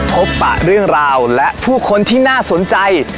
ปะเรื่องราวและผู้คนที่น่าสนใจ